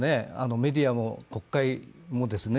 メディアも国会もですね。